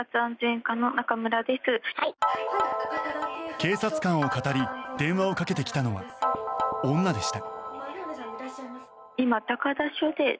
警察官をかたり電話をかけてきたのは女でした。